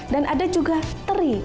dan ada juga teri